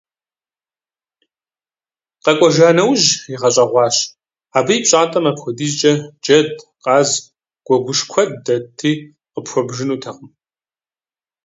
КъэкӀуэжа нэужь, игъэщӏэгъуащ: абы и пщӀантӀэм апхуэдизкӀэ джэд, къаз, гуэгуш куэд дэтти, къыпхуэбжынутэкъым.